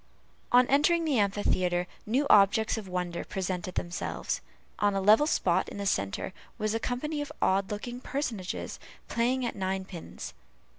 On entering the amphitheatre, new objects of wonder presented themselves. On a level spot in the centre was a company of odd looking personages playing at ninepins.